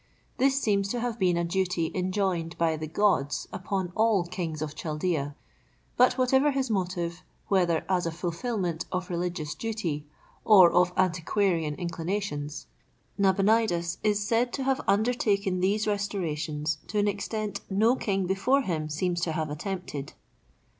This seems to have been a duty enjoined by the gods upon all kings of Chaldea. But, whatever his motive, whether as a fulfillment of religious duty or of antiquarian inclinations, Nabonidus is said to have undertaken these restorations to an extent no king before him seems to have attempted.